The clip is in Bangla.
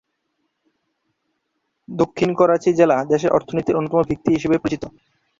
দক্ষিণ করাচি জেলা দেশের অর্থনীতির অন্যতম ভিত্তি হিসেবে পরিচিত।